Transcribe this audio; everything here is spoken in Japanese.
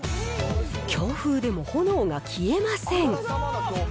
強風でも炎が消えません。